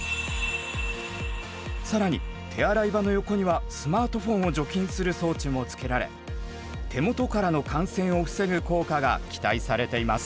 更に手洗い場の横にはスマートフォンを除菌する装置もつけられ手元からの感染を防ぐ効果が期待されています。